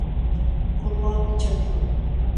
Kulpawanmi chapiiman.